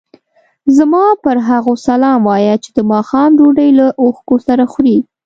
زما پر هغو سلام وایه چې د ماښام ډوډۍ له اوښکو سره خوري.